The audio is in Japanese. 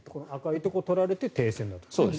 赤いところが取られて停戦したと。